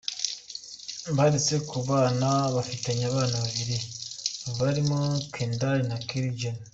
Baretse kubana bafitanye abana babiri barimo Kendall na Kylie Jenner.